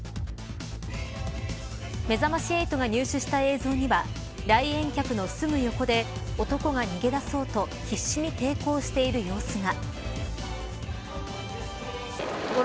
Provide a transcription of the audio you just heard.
めざまし８が入手した映像には来園客のすぐ横で男が逃げ出そうと必死に抵抗している様子が。